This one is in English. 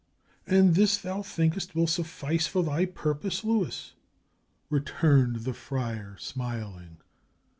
"And this, thou thinkest, will suffice for thy purpose, Luis!" returned the friar, smiling.